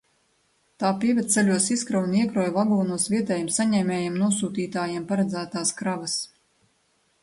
Tā pievedceļos izkrauj un iekrauj vagonos vietējiem saņēmējiem un nosūtītājiem paredzētās kravas.